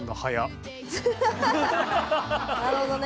なるほどね。